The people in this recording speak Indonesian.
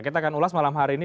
kita akan ulas malam hari ini